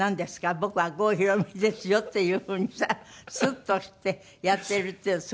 僕は郷ひろみですよ」っていう風にさスッとしてやってるっていうのすごいと思いますよね。